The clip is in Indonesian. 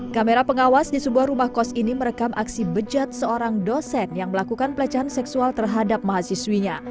kamera pengawas di sebuah rumah kos ini merekam aksi bejat seorang dosen yang melakukan pelecehan seksual terhadap mahasiswinya